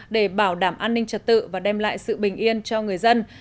để bảo đảm an ninh trật tự và đem lại sự bình yên cho người dân